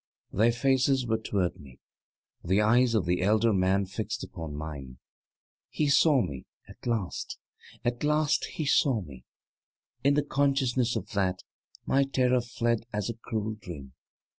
Their faces were toward me, the eyes of the elder man fixed upon mine. He saw me at last, at last, he saw me! In the consciousness of that, my terror fled as a cruel dream.